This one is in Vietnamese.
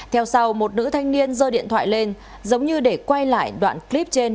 theo sau một nữ thanh niên dơ điện thoại lên giống như để quay lại đoạn clip trên